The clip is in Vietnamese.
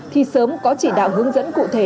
thì sớm có chỉ đạo hướng dẫn cụ thể